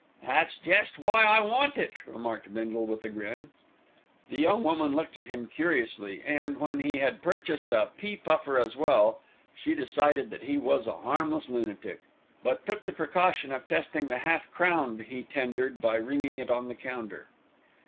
"That's jest why I want it," remarked Bindle with a grin. The young woman looked at him curiously and, when he had purchased a pea puffer as well, she decided that he was a harmless lunatic; but took the precaution of testing the half crown he tendered by ringing it on the counter.